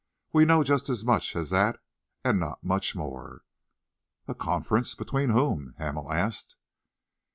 We know just as much as that and not much more." "A conference between whom?" Hamel asked.